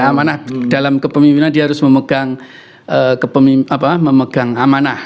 amanah dalam kepemimpinan dia harus memegang amanah